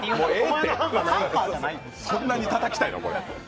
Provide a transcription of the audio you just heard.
そんなにたたきたいの？